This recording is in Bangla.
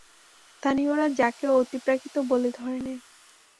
স্থানীয়রা যাকে অতিপ্রাকৃত বলে ধরে নেয়।